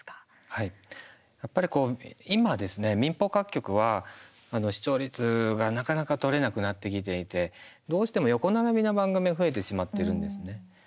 はい、やっぱり今ですね民放各局は視聴率がなかなか取れなくなってきていてどうしても横並びの番組が増えてしまってるんですね。